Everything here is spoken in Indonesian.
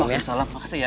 waalaikumsalam makasih ya